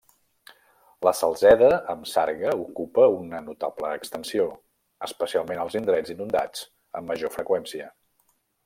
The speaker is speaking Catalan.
La salzeda amb sarga ocupa una notable extensió, especialment als indrets inundats amb major freqüència.